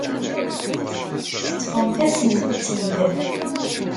Teṭṭfemt-asent-tt-id.